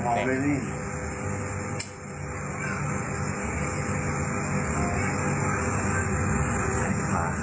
ขออาทิตย์ใหม่ครับ